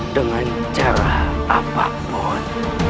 dengan cara apapun